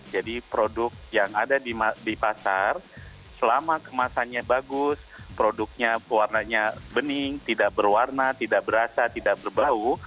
jadi produk yang ada di pasar selama kemasannya bagus produknya warnanya bening tidak berwarna tidak berasa tidak berbau